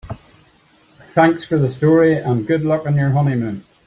Thanks for the story and good luck on your honeymoon.